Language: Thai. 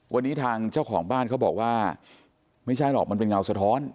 วันนี้ทางเจ้าของบ้านเขาบอกว่าไม่ใช่หรอกมันเป็นเงาสะท้อน